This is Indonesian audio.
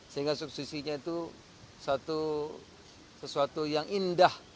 sehingga subsidinya itu sesuatu yang indah